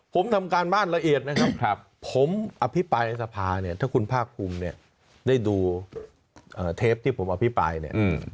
ผมทำการบ้านละเอียดนะครับผมอภิปรายในสภาเนี่ยถ้าคุณภาคภูมิเนี่ยได้ดูเทปที่ผมอภิปรายเนี่ย